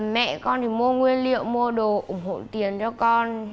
mẹ con thì mua nguyên liệu mua đồ ủng hộ tiền cho con